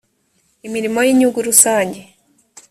imirimo y’inyungu rusange